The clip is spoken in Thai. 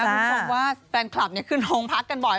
คุณผู้ชมว่าแฟนคลับขึ้นโรงพักกันบ่อย